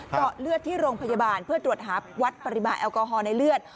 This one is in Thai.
เจาะเลือดที่โรงพยาบาลเพื่อตรวจหาวัดปริมาณแอลกอฮอล์ในเลือด